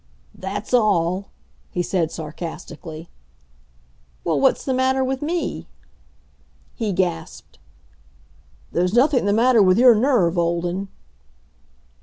"That's all," he said sarcastically. "Well, what's the matter with me?" He gasped. "There's nothing the matter with your nerve, Olden."